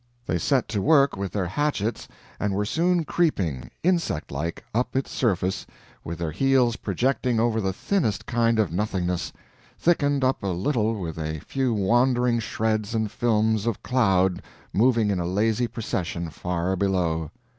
They set to work with their hatchets, and were soon creeping, insectlike, up its surface, with their heels projecting over the thinnest kind of nothingness, thickened up a little with a few wandering shreds and films of cloud moving in a lazy procession far below.